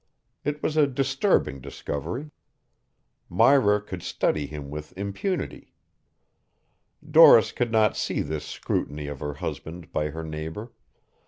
It was a disturbing discovery. Myra could study him with impunity. Doris could not see this scrutiny of her husband by her neighbor.